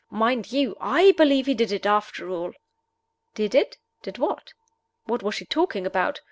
Mind you, I believe he did it, after all." Did it? Did what? What was she talking about?